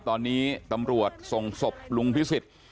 ตอนนี้ตำรวจส่งศพลุงพิสิทธิ์